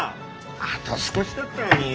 あと少しだったのに。